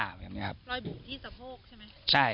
รอยบุ๋มที่สะโพกใช่ไหม